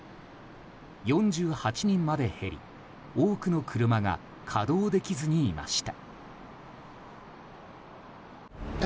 ４８人まで減り、多くの車が稼働できずにいました。